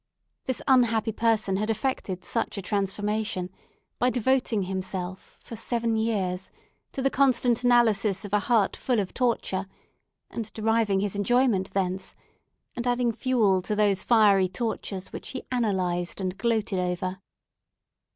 This unhappy person had effected such a transformation by devoting himself for seven years to the constant analysis of a heart full of torture, and deriving his enjoyment thence, and adding fuel to those fiery tortures which he analysed and gloated over.